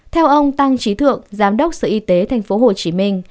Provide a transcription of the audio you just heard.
theo ông tăng trí thượng giám đốc sở y tế tp hcm